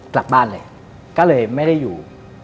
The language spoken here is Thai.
กลับบ้านเลยก็เลยไม่ได้อยู่